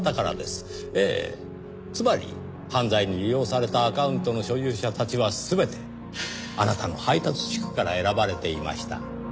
ええつまり犯罪に利用されたアカウントの所有者たちは全てあなたの配達地区から選ばれていました。